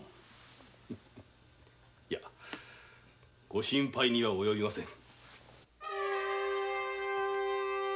御心配には及びません。